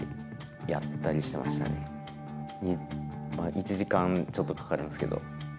１時間ちょっとかかるんですけど。